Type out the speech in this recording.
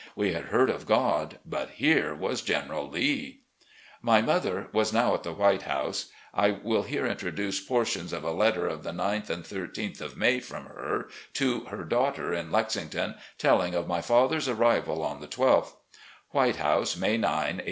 We had heard of God, but here was General Lee !" My mother was now at the "White House." I will here introduce portions of a letter of the 9th and 13th of May from her to her daughter in Lexington, telling of my father's arrival on the 12th: "'White House,' May 9, 1870.